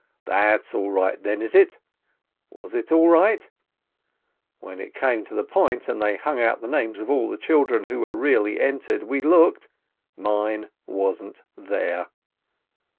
That's all right then, is it? Was it all right ? When it came to the point, and they hung out the names of all the children who were really entered, we looked — mine wasn't there!